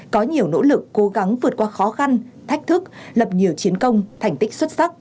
có nhiều nỗ lực cố gắng vượt qua khó khăn thách thức lập nhiều chiến công thành tích xuất sắc